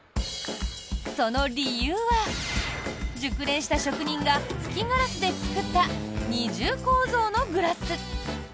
その理由は、熟練した職人が吹きガラスで作った二重構造のグラス。